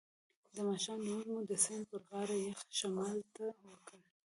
د ماښام لمونځ مو د سیند پر غاړه یخ شمال ته وکړ.